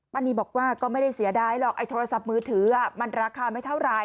นีบอกว่าก็ไม่ได้เสียดายหรอกไอโทรศัพท์มือถือมันราคาไม่เท่าไหร่